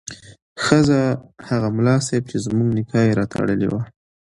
ښځه: هغه ملا صیب چې زموږ نکاح یې راتړلې وه